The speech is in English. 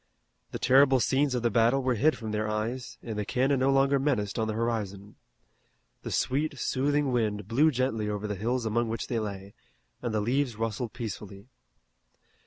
The terrible scenes of the battle were hid from their eyes, and the cannon no longer menaced on the horizon. The sweet, soothing wind blew gently over the hills among which they lay, and the leaves rustled peacefully.